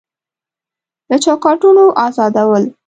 له چوکاټونو ازادول